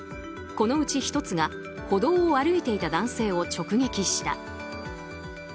このうち１つが歩道を歩いていた男性を直撃した。